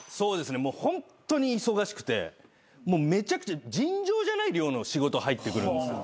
もうホントに忙しくてもうめちゃくちゃ尋常じゃない量の仕事入ってくるんです。